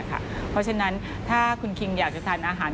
เพราะฉะนั้นถ้าคุณคิงอยากจะทานอาหาร